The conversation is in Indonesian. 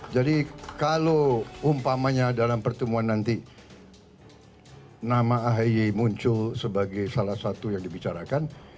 jadi kalau umpamanya dalam pertemuan nanti nama ahi muncul sebagai salah satu yang dibicarakan